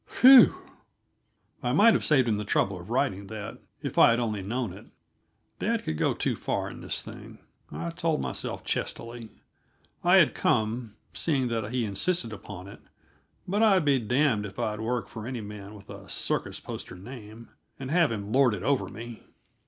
Whew! I might have saved him the trouble of writing that, if I had only known it. Dad could go too far in this thing, I told myself chestily. I had come, seeing that he insisted upon it, but I'd be damned if I'd work for any man with a circus poster name, and have him lord it over me.